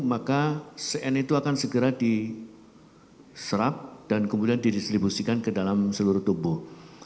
maka cn itu akan segera diserap dan kemudian didistribusikan ke dalam seluruh tubuh